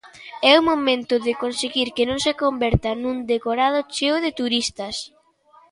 É o momento de conseguir que non se converta nun decorado cheo de turistas.